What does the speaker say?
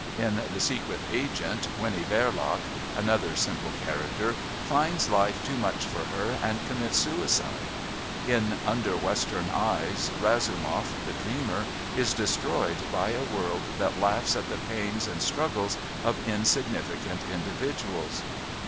In The Secret Agent Winnie Verloc, another simple character, finds life too much for her and commits suicide. In Under Western Eyes Razumov, the dreamer, is destroyed by a world that laughs at the pains and struggles of insignificant individuals.